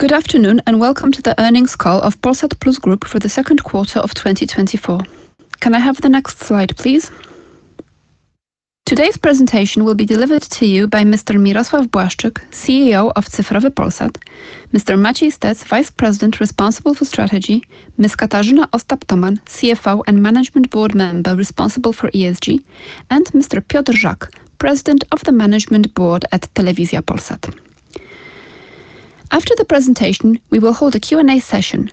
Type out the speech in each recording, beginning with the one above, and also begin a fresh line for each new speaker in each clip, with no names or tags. Good afternoon, and welcome to the Earnings Call of Polsat Plus Group for the Second Quarter of 2024. Can I have the next slide, please? Today's presentation will be delivered to you by Mr. Mirosław Błaszczyk, CEO of Cyfrowy Polsat; Mr. Maciej Stec, Vice President responsible for strategy; Ms. Katarzyna Ostap-Toman, CFO and Management Board Member responsible for ESG; and Mr. Piotr Żak, President of the Management Board at Telewizja Polsat. After the presentation, we will hold a Q&A session.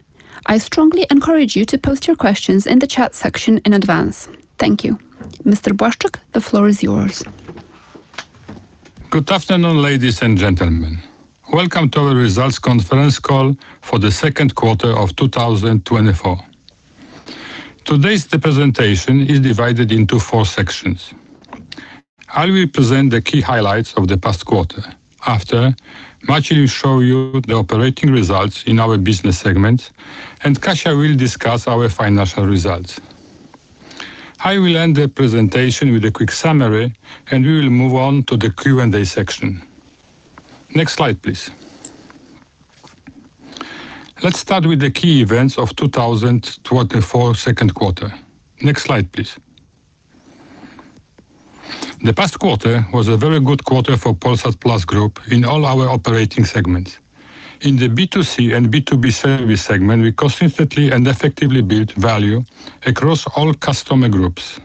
I strongly encourage you to post your questions in the chat section in advance. Thank you. Mr. Błaszczyk, the floor is yours.
Good afternoon, ladies and gentlemen. Welcome to our results conference call for the second quarter of two thousand twenty-four. Today's presentation is divided into four sections. I will present the key highlights of the past quarter. After, Maciej will show you the operating results in our business segments, and Katarzyna will discuss our financial results. I will end the presentation with a quick summary, and we will move on to the Q&A section. Next slide, please. Let's start with the key events of two thousand twenty-four, second quarter. Next slide, please. The past quarter was a very good quarter for Polsat Plus Group in all our operating segments. In the B2C and B2B service segment, we consistently and effectively built value across all customer groups.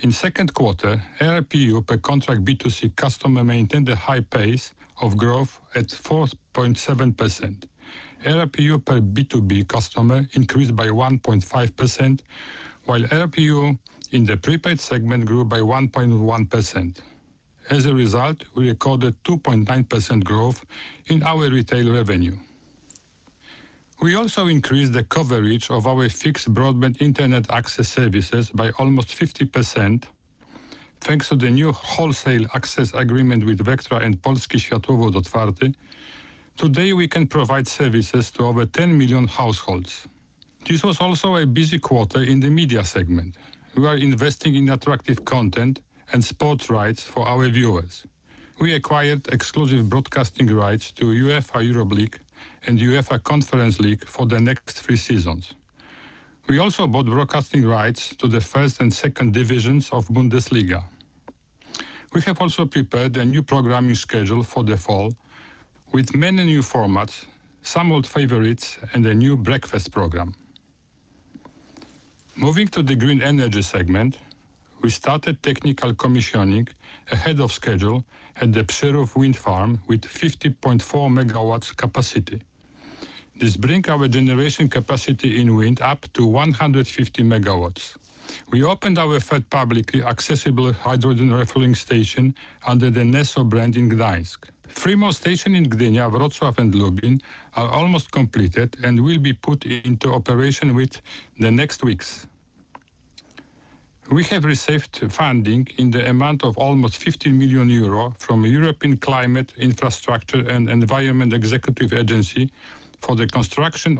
In second quarter, ARPU per contract B2C customer maintained a high pace of growth at 4.7%. ARPU per B2B customer increased by 1.5%, while ARPU in the prepaid segment grew by 1.1%. As a result, we recorded 2.9% growth in our retail revenue. We also increased the coverage of our fixed broadband internet access services by almost 50%, thanks to the new wholesale access agreement with Vectra and Polskie Sieci Otwarte. Today, we can provide services to over 10 million households. This was also a busy quarter in the media segment. We are investing in attractive content and sports rights for our viewers. We acquired exclusive broadcasting rights to UEFA Europa League and UEFA Conference League for the next 3 seasons. We also bought broadcasting rights to the first and second divisions of Bundesliga. We have also prepared a new programming schedule for the fall with many new formats, some old favorites, and a new breakfast program. Moving to the green energy segment, we started technical commissioning ahead of schedule at the Przyrów wind farm with 50.4 megawatts capacity. This brings our generation capacity in wind up to 150 megawatts. We opened our third publicly accessible hydrogen refueling station under the NESO brand in Gdańsk. Three more stations in Gdynia, Wrocław, and Lublin are almost completed and will be put into operation within the next weeks. We have received funding in the amount of almost 50 million euro from European Climate, Infrastructure and Environment Executive Agency for the construction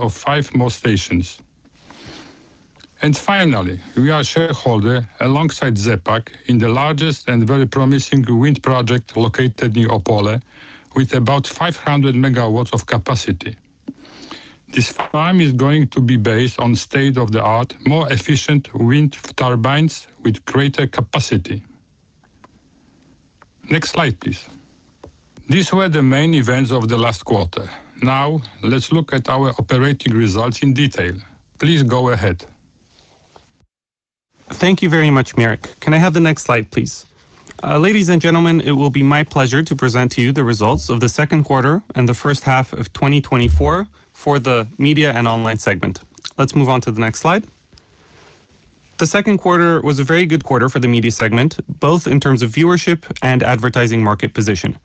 of five more stations. Finally, we are a shareholder alongside ZE PAK in the largest and very promising wind project located near Opole, with about 500 megawatts of capacity. This farm is going to be based on state-of-the-art, more efficient wind turbines with greater capacity. Next slide, please. These were the main events of the last quarter. Now, let's look at our operating results in detail. Please go ahead.
Thank you very much, Mirek. Can I have the next slide, please? Ladies and gentlemen, it will be my pleasure to present to you the results of the second quarter and the first half of twenty twenty-four for the media and online segment. Let's move on to the next slide. The second quarter was a very good quarter for the media segment, both in terms of viewership and advertising market position.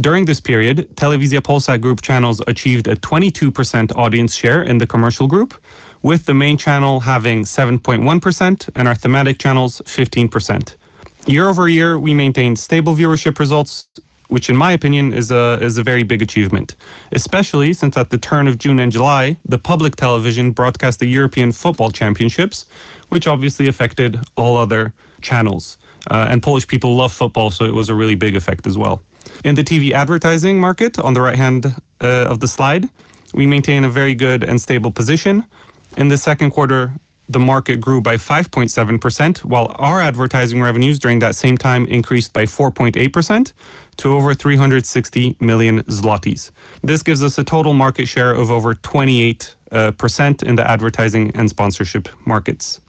During this period, Telewizja Polsat Group channels achieved a 22% audience share in the commercial group, with the main channel having 7.1% and our thematic channels 15%. Year over year, we maintained stable viewership results, which in my opinion is a very big achievement, especially since at the turn of June and July, the public television broadcast the European Football Championships, which obviously affected all other channels. Polish people love football, so it was a really big effect as well. In the TV advertising market, on the right hand of the slide, we maintain a very good and stable position. In the second quarter, the market grew by 5.7%, while our advertising revenues during that same time increased by 4.8% to over 360 million zlotys. This gives us a total market share of over 28% in the advertising and sponsorship markets.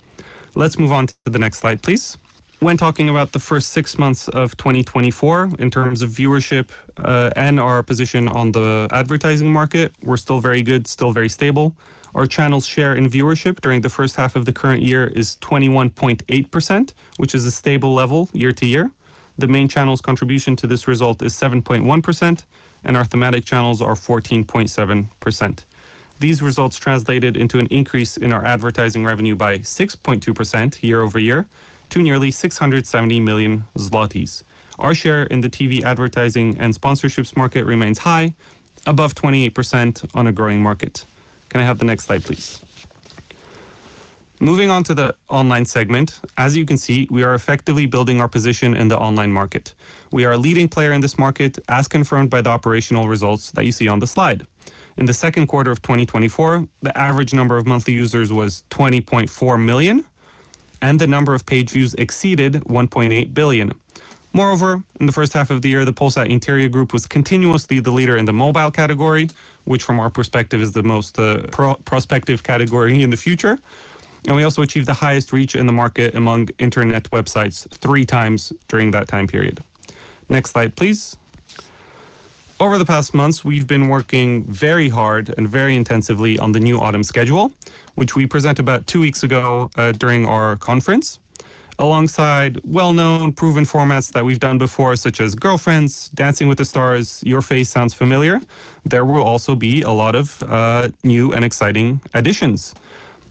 Let's move on to the next slide, please. When talking about the first six months of 2024, in terms of viewership and our position on the advertising market, we're still very good, still very stable. Our channel share in viewership during the first half of the current year is 21.8%, which is a stable level year to year. The main channel's contribution to this result is 7.1%, and our thematic channels are 14.7%. These results translated into an increase in our advertising revenue by 6.2% year over year to nearly 670 million zlotys. Our share in the TV advertising and sponsorships market remains high, above 28% on a growing market. Can I have the next slide, please? Moving on to the online segment. As you can see, we are effectively building our position in the online market. We are a leading player in this market, as confirmed by the operational results that you see on the slide. In the second quarter of 2024, the average number of monthly users was 20.4 million, and the number of page views exceeded 1.8 billion. Moreover, in the first half of the year, the Interia was continuously the leader in the mobile category, which from our perspective is the most prospective category in the future. And we also achieved the highest reach in the market among internet websites three times during that time period. Next slide, please. Over the past months, we've been working very hard and very intensively on the new autumn schedule, which we presented about two weeks ago during our conference. Alongside well-known, proven formats that we've done before, such as Girlfriends, Dancing with the Stars, Your Face Sounds Familiar, there will also be a lot of new and exciting additions.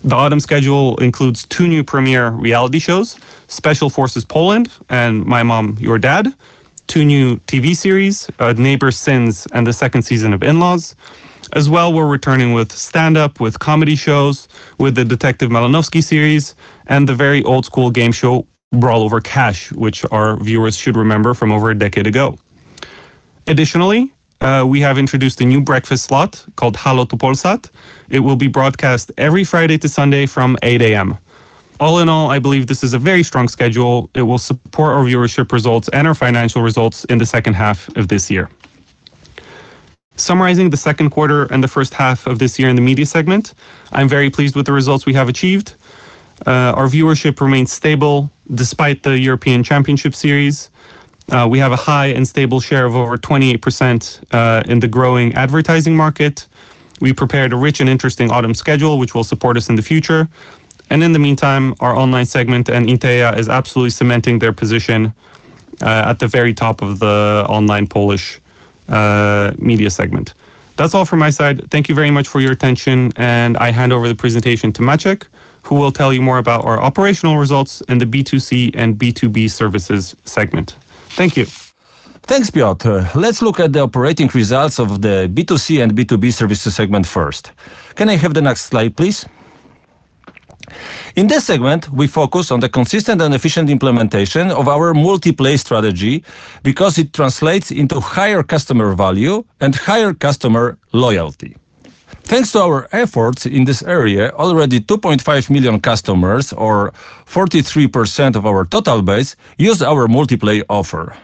The autumn schedule includes two new premiere reality shows: Special Forces Poland and My Mom, Your Dad, two new TV series, Neighbor Sins, and the second season of In-Laws. As well, we're returning with stand-up, with comedy shows, with the Detective Malanowski series, and the very old school game show, Brawl Over Cash, which our viewers should remember from over a decade ago. Additionally, we have introduced a new breakfast slot called Hello to Polsat. It will be broadcast every Friday to Sunday from 8:00 A.M. All in all, I believe this is a very strong schedule. It will support our viewership results and our financial results in the second half of this year. Summarizing the second quarter and the first half of this year in the media segment, I'm very pleased with the results we have achieved. Our viewership remains stable despite the European Championship series. We have a high and stable share of over 28% in the growing advertising market. We prepared a rich and interesting autumn schedule, which will support us in the future. And in the meantime, our online segment and Interia is absolutely cementing their position at the very top of the online Polish media segment. That's all from my side. Thank you very much for your attention, and I hand over the presentation to Maciek, who will tell you more about our operational results in the B2C and B2B services segment. Thank you.
Thanks, Piotr. Let's look at the operating results of the B2C and B2B services segment first. Can I have the next slide, please? In this segment, we focus on the consistent and efficient implementation of our multi-play strategy because it translates into higher customer value and higher customer loyalty. Thanks to our efforts in this area, already 2.5 million customers, or 43% of our total base, use our multi-play offer.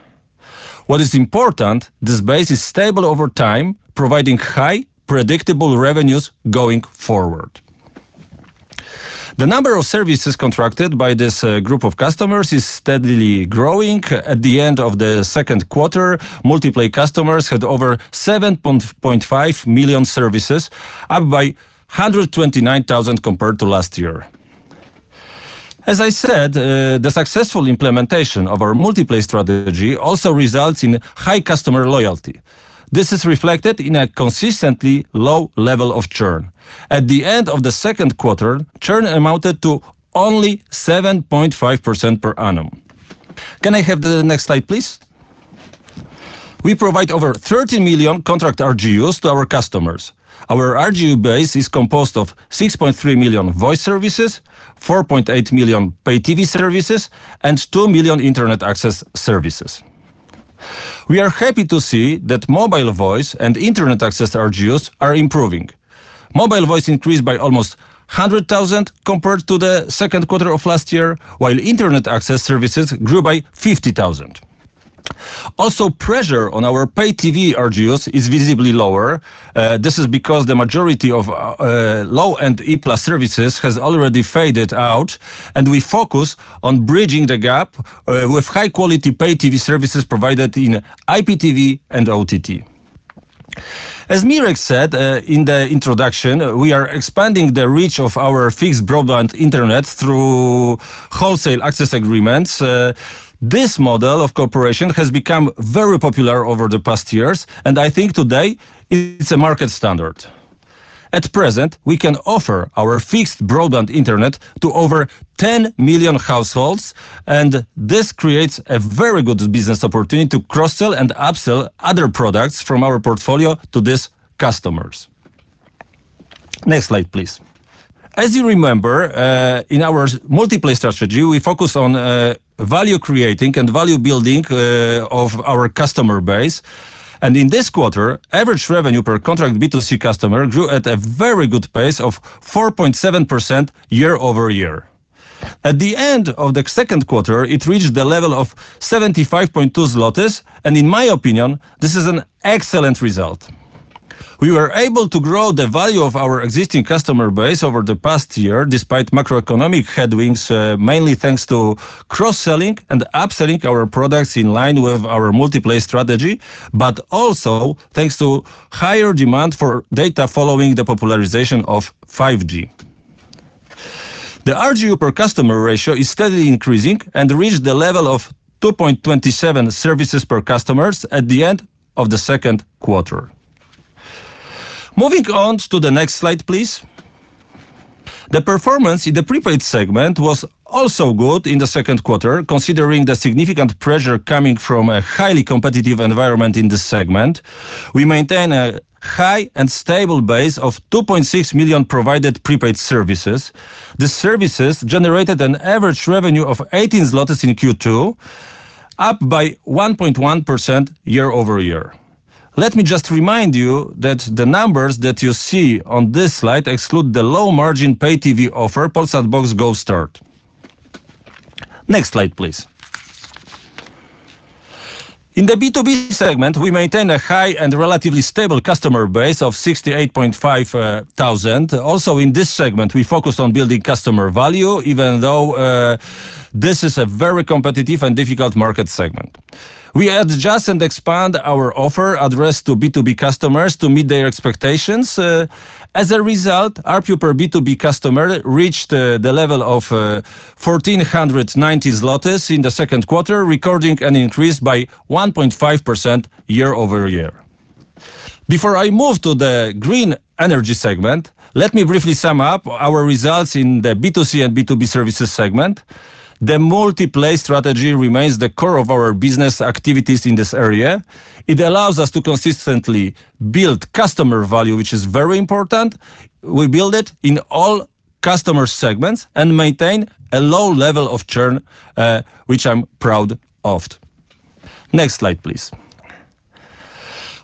What is important, this base is stable over time, providing high, predictable revenues going forward. The number of services contracted by this group of customers is steadily growing. At the end of the second quarter, multi-play customers had over 7.5 million services, up by 129 thousand compared to last year. As I said, the successful implementation of our multi-play strategy also results in high customer loyalty. This is reflected in a consistently low level of churn. At the end of the second quarter, churn amounted to only 7.5% per annum. Can I have the next slide, please? We provide over 13 million contract RGUs to our customers. Our RGU base is composed of 6.3 million voice services, 4.8 million pay TV services, and 2 million internet access services. We are happy to see that mobile voice and internet access RGUs are improving. Mobile voice increased by almost 100,000 compared to the second quarter of last year, while internet access services grew by 50,000. Also, pressure on our pay TV RGUs is visibly lower. This is because the majority of low-end Plus services has already faded out, and we focus on bridging the gap with high-quality pay TV services provided in IPTV and OTT. As Mirek said in the introduction, we are expanding the reach of our fixed broadband internet through wholesale access agreements. This model of cooperation has become very popular over the past years, and I think today it's a market standard. At present, we can offer our fixed broadband internet to over 10 million households, and this creates a very good business opportunity to cross-sell and upsell other products from our portfolio to these customers. Next slide, please. As you remember, in our multi-play strategy, we focus on value creating and value building of our customer base. In this quarter, average revenue per contract B2C customer grew at a very good pace of 4.7% year over year. At the end of the second quarter, it reached the level of 75.2 zlotys, and in my opinion, this is an excellent result. We were able to grow the value of our existing customer base over the past year, despite macroeconomic headwinds, mainly thanks to cross-selling and upselling our products in line with our multi-play strategy, but also thanks to higher demand for data following the popularization of 5G. The RGU per customer ratio is steadily increasing and reached the level of 2.27 services per customers at the end of the second quarter. Moving on to the next slide, please. The performance in the prepaid segment was also good in the second quarter, considering the significant pressure coming from a highly competitive environment in this segment. We maintain a high and stable base of 2.6 million provided prepaid services. The services generated an average revenue of 18 zlotys in Q2, up by 1.1% year over year. Let me just remind you that the numbers that you see on this slide exclude the low margin pay TV offer, Polsat Box Go Start. Next slide, please. In the B2B segment, we maintain a high and relatively stable customer base of 68.5 thousand. Also, in this segment, we focused on building customer value, even though this is a very competitive and difficult market segment. We adjust and expand our offer addressed to B2B customers to meet their expectations. As a result, ARPU per B2B customer reached the level of 1,490 zlotys in the second quarter, recording an increase by 1.5% year over year. Before I move to the green energy segment, let me briefly sum up our results in the B2C and B2B services segment. The multi-play strategy remains the core of our business activities in this area. It allows us to consistently build customer value, which is very important. We build it in all customer segments and maintain a low level of churn, which I'm proud of. Next slide, please.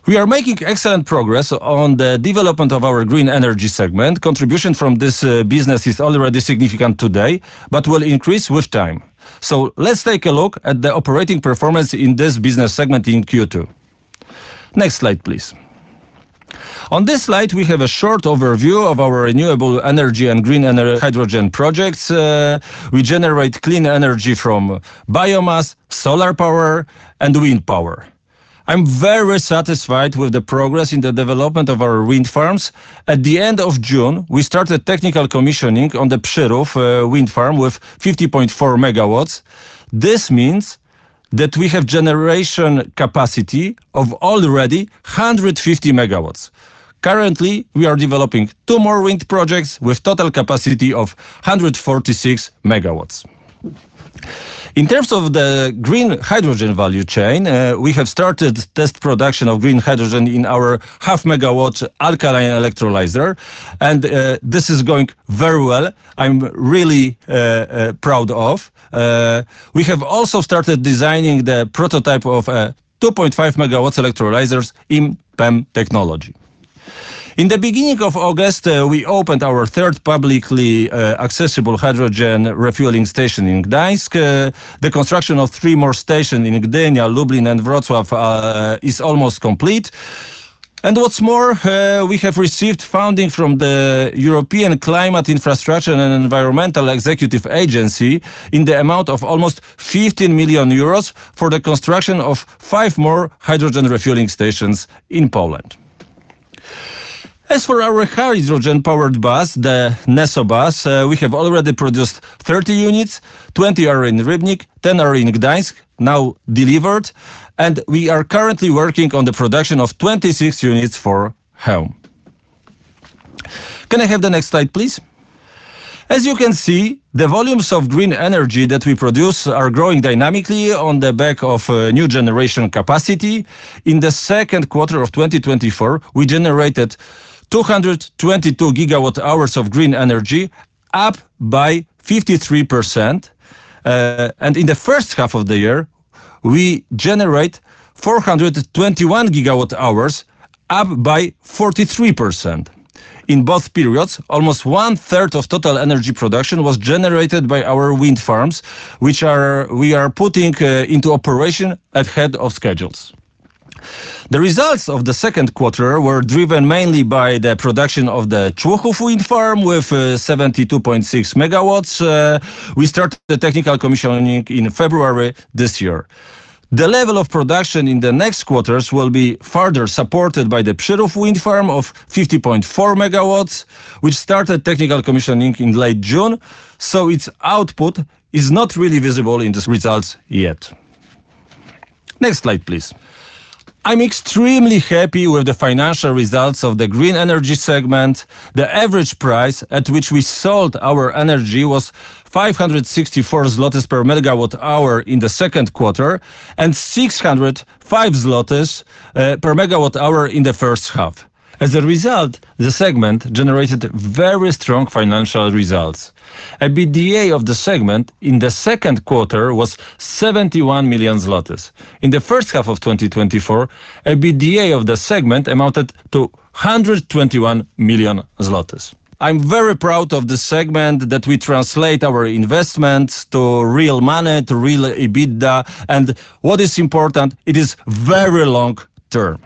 We are making excellent progress on the development of our green energy segment. Contribution from this business is already significant today, but will increase with time. So let's take a look at the operating performance in this business segment in Q2. Next slide, please. On this slide, we have a short overview of our renewable energy and green hydrogen projects. We generate clean energy from biomass, solar power, and wind power. I'm very satisfied with the progress in the development of our wind farms. At the end of June, we started technical commissioning on the Przyrów wind farm with 50.4 megawatts. This means that we have generation capacity of already 150 megawatts. Currently, we are developing two more wind projects with total capacity of 146 megawatts. In terms of the green hydrogen value chain, we have started test production of green hydrogen in our 0.5 megawatt alkaline electrolyzer, and this is going very well. I'm really proud of. We have also started designing the prototype of a 2.5 megawatts electrolyzers in PEM technology. In the beginning of August, we opened our third publicly accessible hydrogen refueling station in Gdańsk. The construction of three more stations in Gdynia, Lublin, and Wrocław is almost complete. What's more, we have received funding from the European Climate, Infrastructure and Environment Executive Agency in the amount of almost 15 million euros for the construction of 5 more hydrogen refueling stations in Poland. As for our hydrogen-powered bus, the NESO Bus, we have already produced 30 units. 20 are in Rybnik, 10 are in Gdańsk, now delivered, and we are currently working on the production of 26 units for Hel. Can I have the next slide, please? As you can see, the volumes of green energy that we produce are growing dynamically on the back of a new generation capacity. In the second quarter of 2024, we generated 222 gigawatt hours of green energy, up 53%. And in the first half of the year, we generate 421 gigawatt hours, up 43%. In both periods, almost one third of total energy production was generated by our wind farms, which are... We are putting into operation ahead of schedules. The results of the second quarter were driven mainly by the production of the Człuchów Wind Farm with 72.6 megawatts. We start the technical commissioning in February this year. The level of production in the next quarters will be further supported by the Przyrów Wind Farm of 50.4 megawatts, which started technical commissioning in late June, so its output is not really visible in these results yet. Next slide, please. I'm extremely happy with the financial results of the green energy segment. The average price at which we sold our energy was 564 zlotys per megawatt hour in the second quarter and 605 zlotys per megawatt hour in the first half. As a result, the segment generated very strong financial results. EBITDA of the segment in the second quarter was 71 million zlotys. In the first half of 2024, EBITDA of the segment amounted to 121 million zlotys. I'm very proud of the segment, that we translate our investments to real money, to real EBITDA, and what is important, it is very long term.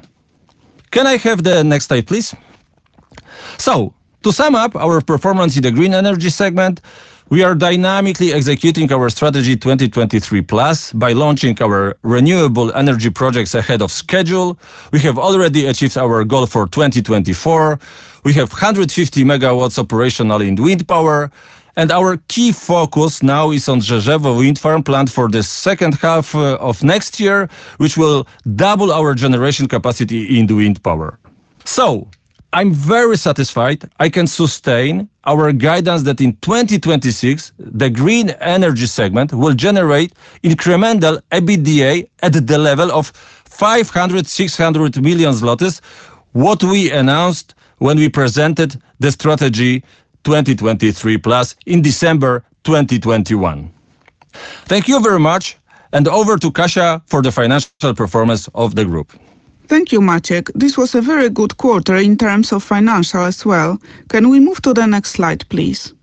Can I have the next slide, please? To sum up our performance in the green energy segment, we are dynamically executing our Strategy 2023+ by launching our renewable energy projects ahead of schedule. We have already achieved our goal for 2024. We have 150 megawatts operational in wind power, and our key focus now is on Drzeżewo Wind Farm for the second half of next year, which will double our generation capacity in the wind power. I'm very satisfied. I can sustain our guidance that in 2026, the green energy segment will generate incremental EBITDA at the level of 500-600 million zlotys, what we announced when we presented the strategy 2023+ in December 2021. Thank you very much, and over to Kasia for the financial performance of the group.
Thank you, Maciek. This was a very good quarter in terms of financial as well. Can we move to the next slide, please?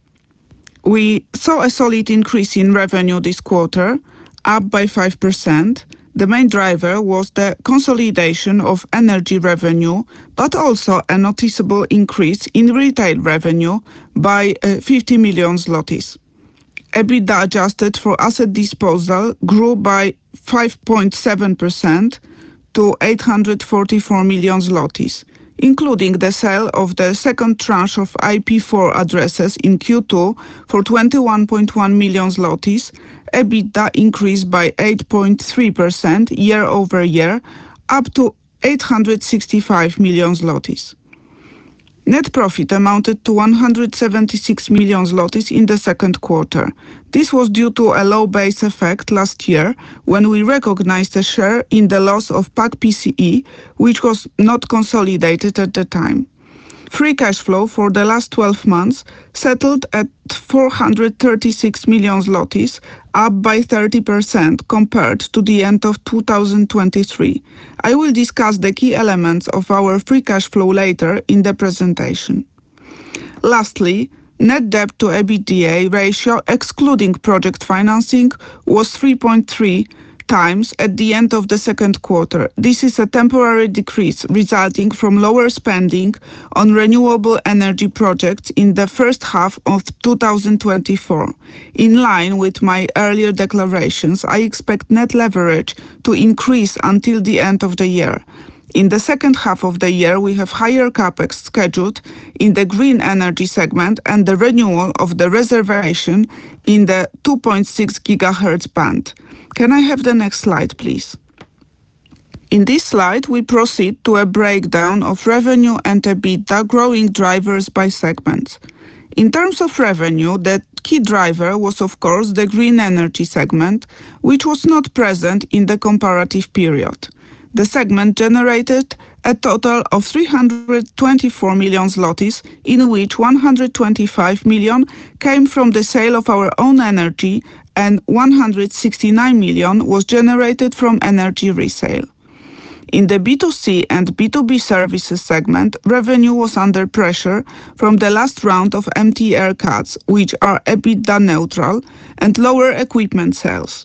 We saw a solid increase in revenue this quarter, up by 5%. The main driver was the consolidation of energy revenue, but also a noticeable increase in retail revenue by 50 million zlotys. EBITDA adjusted for asset disposal grew by 5.7% to 844 million zlotys, including the sale of the second tranche of IPv4 addresses in Q2 for 21.1 million zlotys. EBITDA increased by 8.3% year over year, up to 865 million zlotys. Net profit amounted to 176 million zlotys in the second quarter. This was due to a low base effect last year, when we recognized a share in the loss of PAK-PCE, which was not consolidated at the time. Free cash flow for the last twelve months settled at 436 million zlotys, up by 30% compared to the end of 2023. I will discuss the key elements of our free cash flow later in the presentation. Lastly, net debt to EBITDA ratio, excluding project financing, was 3.3 times at the end of the second quarter. This is a temporary decrease resulting from lower spending on renewable energy projects in the first half of 2024. In line with my earlier declarations, I expect net leverage to increase until the end of the year. In the second half of the year, we have higher CapEx scheduled in the green energy segment and the renewal of the reservation in the 2.6 gigahertz band. Can I have the next slide, please? In this slide, we proceed to a breakdown of revenue and EBITDA, growth drivers by segments. In terms of revenue, the key driver was, of course, the green energy segment, which was not present in the comparative period. The segment generated a total of 324 million zlotys, in which 125 million PLN came from the sale of our own energy, and 169 million PLN was generated from energy resale. In the B2C and B2B services segment, revenue was under pressure from the last round of MTR cuts, which are EBITDA neutral and lower equipment sales.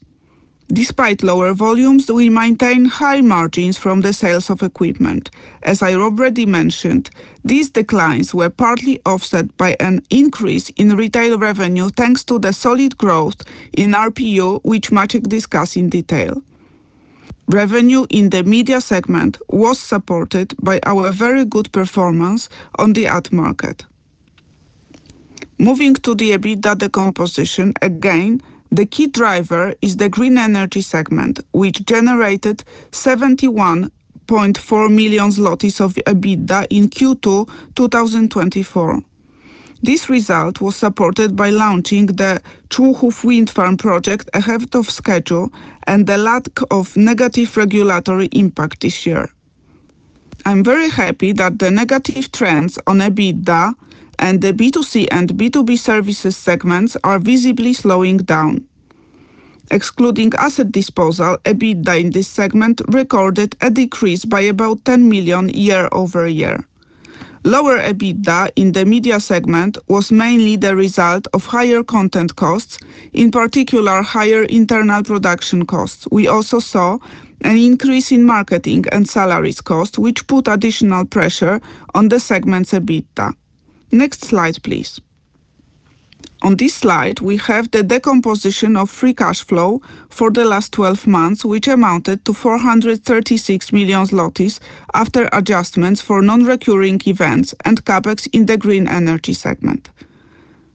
Despite lower volumes, we maintain high margins from the sales of equipment. As I already mentioned, these declines were partly offset by an increase in retail revenue, thanks to the solid growth in RGU, which Maciek discusses in detail. Revenue in the media segment was supported by our very good performance on the ad market. Moving to the EBITDA decomposition, again, the key driver is the green energy segment, which generated 71.4 million zlotys of EBITDA in Q2 2024. This result was supported by launching the two wind farm projects ahead of schedule and the lack of negative regulatory impact this year. I'm very happy that the negative trends on EBITDA and the B2C and B2B services segments are visibly slowing down. Excluding asset disposal, EBITDA in this segment recorded a decrease by about 10 million year over year. Lower EBITDA in the media segment was mainly the result of higher content costs, in particular, higher internal production costs. We also saw an increase in marketing and salaries cost, which put additional pressure on the segment's EBITDA. Next slide, please. On this slide, we have the decomposition of free cash flow for the last twelve months, which amounted to 436 million zlotys, after adjustments for non-recurring events and CapEx in the green energy segment.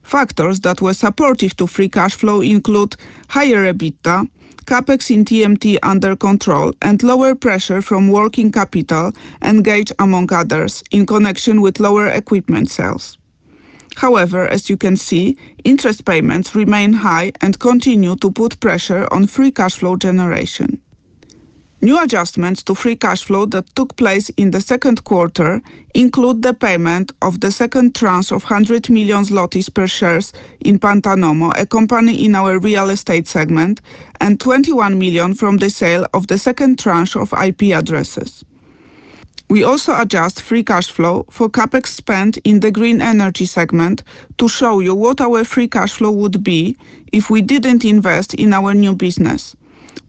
Factors that were supportive to free cash flow include higher EBITDA, CapEx in TMT under control, and lower pressure from working capital and taxes, among others, in connection with lower equipment sales. However, as you can see, interest payments remain high and continue to put pressure on free cash flow generation. New adjustments to free cash flow that took place in the second quarter include the payment of the second tranche of 100 million for shares in Pantanomo, a company in our real estate segment, and 21 million from the sale of the second tranche of IP addresses. We also adjust free cash flow for CapEx spent in the green energy segment to show you what our free cash flow would be if we didn't invest in our new business.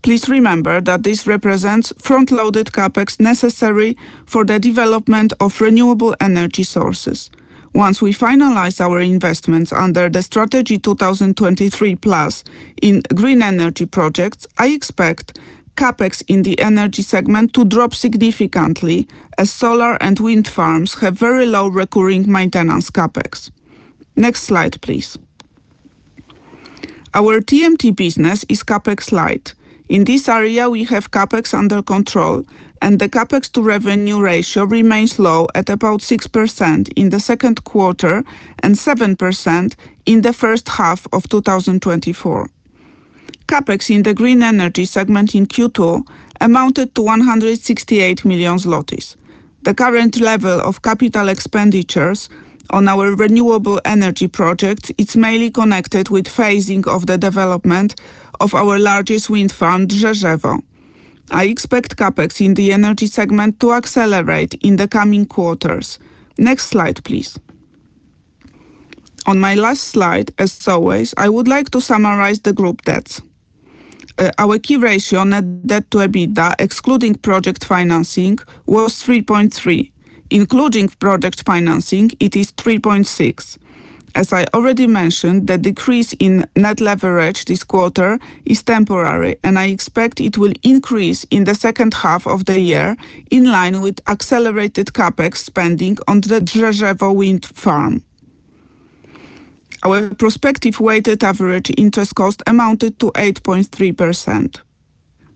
Please remember that this represents front-loaded CapEx necessary for the development of renewable energy sources. Once we finalize our investments under the Strategy 2023+ in green energy projects, I expect CapEx in the energy segment to drop significantly, as solar and wind farms have very low recurring maintenance CapEx. Next slide, please. Our TMT business is CapEx light. In this area, we have CapEx under control, and the CapEx to revenue ratio remains low at about 6% in the second quarter and 7% in the first half of two thousand and twenty-four. CapEx in the green energy segment in Q2 amounted to 168 million zlotys. The current level of capital expenditures on our renewable energy project, it's mainly connected with phasing of the development of our largest wind farm, Drzeżewo. I expect CapEx in the energy segment to accelerate in the coming quarters. Next slide, please. On my last slide, as always, I would like to summarize the group debts. Our key ratio, net debt to EBITDA, excluding project financing, was 3.3. Including project financing, it is 3.6. As I already mentioned, the decrease in net leverage this quarter is temporary, and I expect it will increase in the second half of the year, in line with accelerated CapEx spending on the Drzeżewo Wind Farm. Our prospective weighted average interest cost amounted to 8.3%.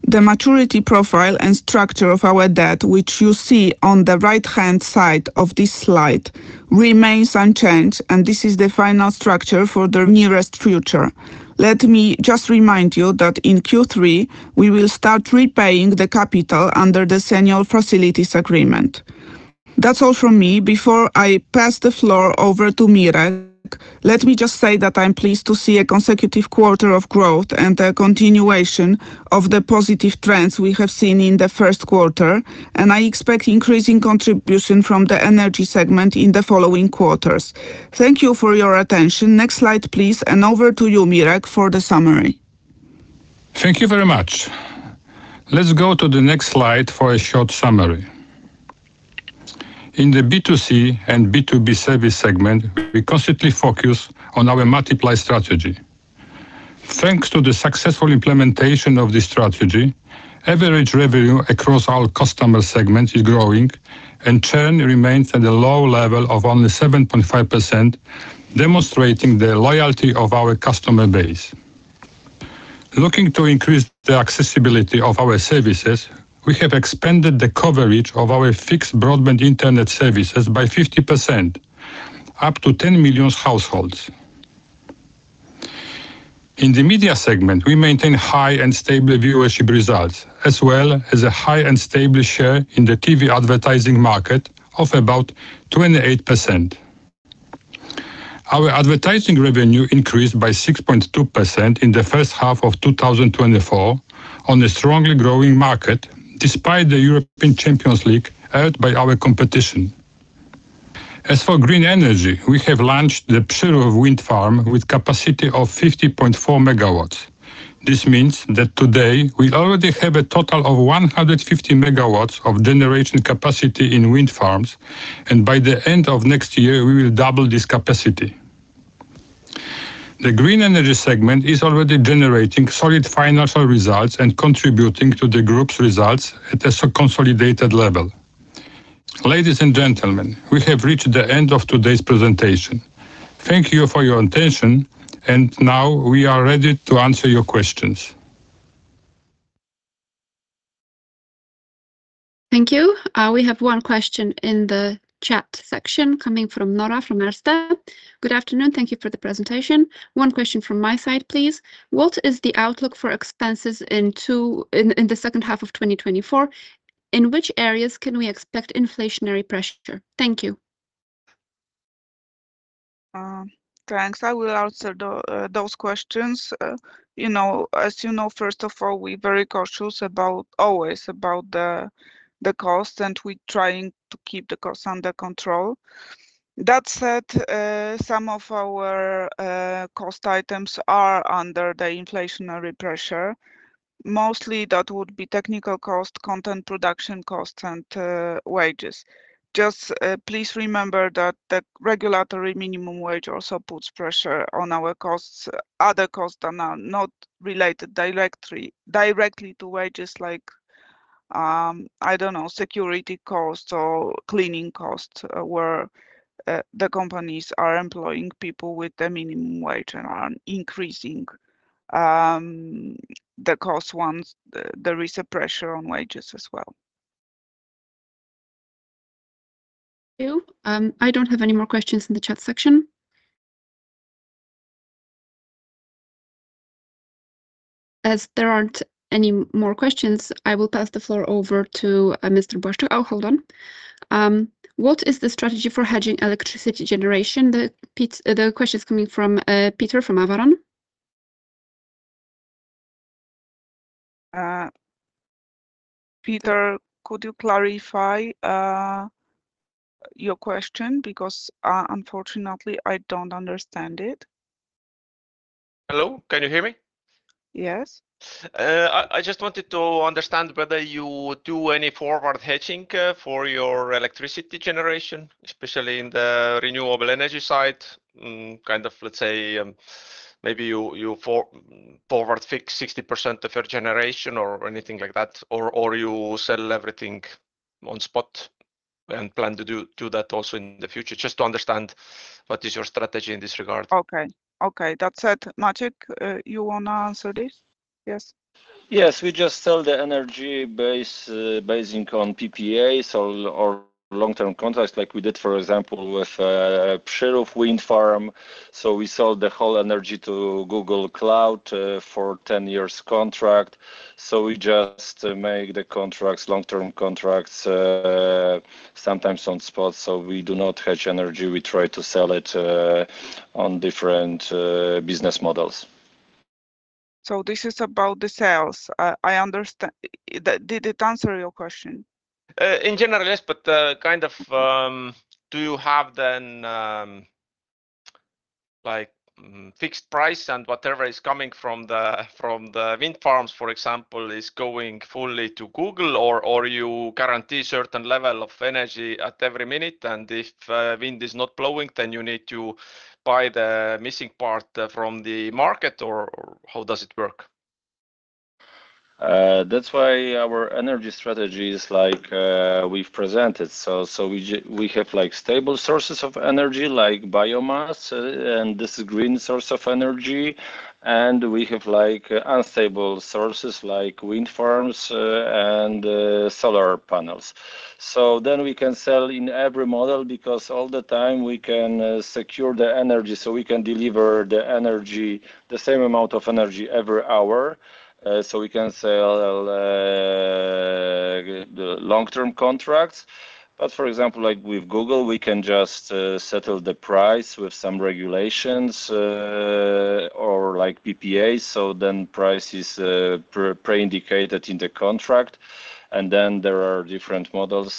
The maturity profile and structure of our debt, which you see on the right-hand side of this slide, remains unchanged, and this is the final structure for the nearest future. Let me just remind you that in Q3, we will start repaying the capital under the annual facilities agreement. That's all from me. Before I pass the floor over to Mirek, let me just say that I'm pleased to see a consecutive quarter of growth and a continuation of the positive trends we have seen in the first quarter, and I expect increasing contribution from the energy segment in the following quarters. Thank you for your attention. Next slide, please, and over to you, Mirek, for the summary.
Thank you very much. Let's go to the next slide for a short summary. In the B2C and B2B service segment, we constantly focus on our multiplay strategy. Thanks to the successful implementation of this strategy, average revenue across our customer segment is growing, and churn remains at a low level of only 7.5%, demonstrating the loyalty of our customer base. Looking to increase the accessibility of our services, we have expanded the coverage of our fixed broadband internet services by 50%, up to 10 million households. In the media segment, we maintain high and stable viewership results, as well as a high and stable share in the TV advertising market of about 28%. Our advertising revenue increased by 6.2% in the first half of 2024 on a strongly growing market, despite the European Champions League, aired by our competition. As for green energy, we have launched the Przyrów wind farm with capacity of 50.4 megawatts. This means that today we already have a total of 150 megawatts of generation capacity in wind farms, and by the end of next year, we will double this capacity. The green energy segment is already generating solid financial results and contributing to the group's results at a consolidated level. Ladies and gentlemen, we have reached the end of today's presentation. Thank you for your attention, and now we are ready to answer your questions.
Thank you. We have one question in the chat section coming from Nora from Erste. Good afternoon. Thank you for the presentation. One question from my side, please. What is the outlook for expenses in the second half of twenty twenty-four? In which areas can we expect inflationary pressure? Thank you.
Thanks. I will answer though those questions. You know, as you know, first of all, we're very cautious about always about the cost, and we're trying to keep the costs under control. That said, some of our cost items are under the inflationary pressure. Mostly, that would be technical cost, content production cost, and wages. Just please remember that the regulatory minimum wage also puts pressure on our costs. Other costs are not related directly to wages like I don't know, security costs or cleaning costs, where the companies are employing people with the minimum wage and are increasing the cost once there is a pressure on wages as well.
I don't have any more questions in the chat section. As there aren't any more questions, I will pass the floor over to Mr. Błaszczyk. Oh, hold on. What is the strategy for hedging electricity generation? The question is coming from Peter, from Avaron.
Peter, could you clarify your question? Because, unfortunately, I don't understand it.
Hello, can you hear me?
Yes.
I just wanted to understand whether you do any forward hedging for your electricity generation, especially in the renewable energy side. Kind of, let's say, maybe you forward fix 60% of your generation or anything like that, or you sell everything on spot and plan to do that also in the future. Just to understand, what is your strategy in this regard?
Okay. Okay, that said, Maciek, you wanna answer this? Yes....
Yes, we just sell the energy base, basing on PPAs or long-term contracts like we did, for example, with Przyrów Wind Farm. So we sold the whole energy to Google Cloud for ten years contract. So we just make the contracts, long-term contracts, sometimes on spot. So we do not hedge energy, we try to sell it on different business models.
So this is about the sales. Did it answer your question?
In general, yes, but kind of, do you have then, like, fixed price and whatever is coming from the wind farms, for example, is going fully to Google, or you guarantee certain level of energy at every minute, and if wind is not blowing, then you need to buy the missing part from the market, or how does it work?
That's why our energy strategy is like, we've presented. So we have, like, stable sources of energy, like biomass, and this is green source of energy. And we have, like, unstable sources, like wind farms, and solar panels. So then we can sell in every model because all the time we can secure the energy, so we can deliver the energy, the same amount of energy every hour. So we can sell the long-term contracts. But for example, like with Google, we can just settle the price with some regulations, or like PPAs, so then price is pre-indicated in the contract, and then there are different models.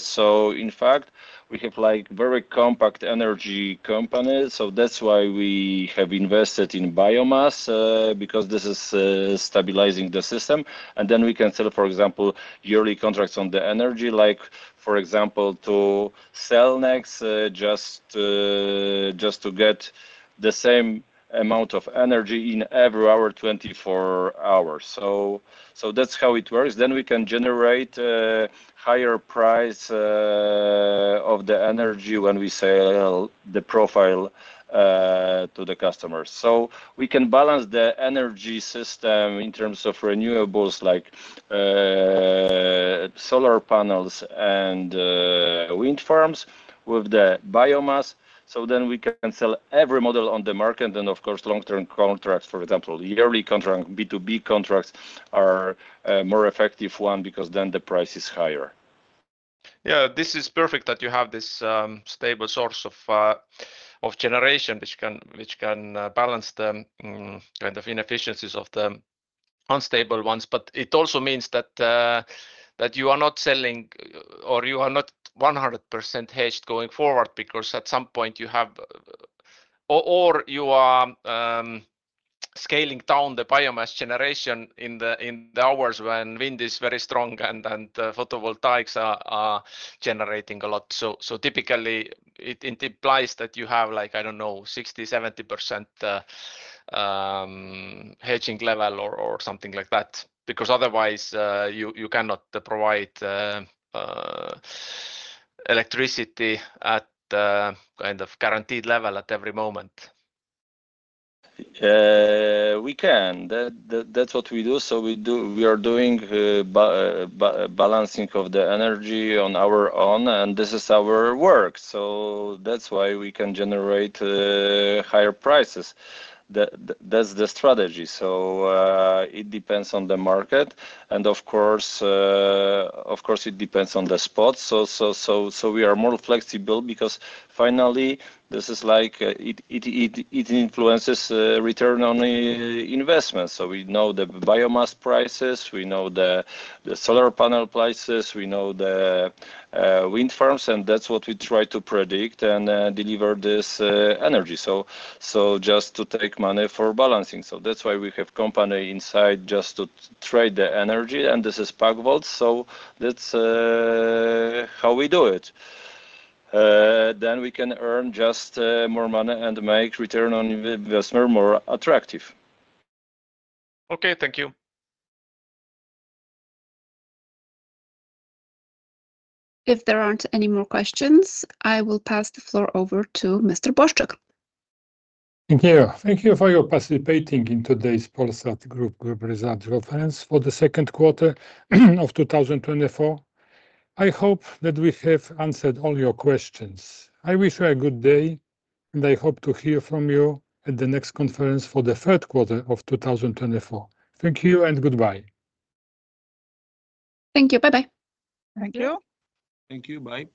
So in fact, we have, like, very compact energy company, so that's why we have invested in biomass, because this is stabilizing the system. Then we can sell, for example, yearly contracts on the energy, like, for example, to Cellnex, just to get the same amount of energy in every hour, twenty-four hours. So that's how it works. Then we can generate higher price of the energy when we sell the profile to the customers. So we can balance the energy system in terms of renewables, like solar panels and wind farms with the biomass, so then we can sell every model on the market, and of course, long-term contracts, for example. Yearly contract, B2B contracts are more effective one because then the price is higher.
Yeah, this is perfect that you have this stable source of generation, which can balance the kind of inefficiencies of the unstable ones. But it also means that you are not selling or you are not 100% hedged going forward, because at some point, you have or you are scaling down the biomass generation in the hours when wind is very strong and photovoltaics are generating a lot. So typically, it implies that you have, like, I don't know, 60-70% hedging level or something like that. Because otherwise, you cannot provide electricity at the kind of guaranteed level at every moment.
We can. That, that's what we do. So we are doing balancing of the energy on our own, and this is our work, so that's why we can generate higher prices. That, that's the strategy. So it depends on the market, and of course, of course, it depends on the spot. So we are more flexible because finally, this is like it influences return on the investment. So we know the biomass prices, we know the solar panel prices, we know the wind farms, and that's what we try to predict and deliver this energy, so just to take money for balancing. So that's why we have company inside, just to trade the energy, and this is PAK-VOLT. So that's how we do it. Then we can earn just more money and make return on investment more attractive.
Okay, thank you.
If there aren't any more questions, I will pass the floor over to Mr. Mr. Błaszczyk.
Thank you. Thank you for your participating in today's Polsat Group presidential conference for the second quarter of two thousand twenty-four. I hope that we have answered all your questions. I wish you a good day, and I hope to hear from you at the next conference for the third quarter of two thousand twenty-four. Thank you and goodbye.
Thank you. Bye-bye.
Thank you.
Thank you. Bye.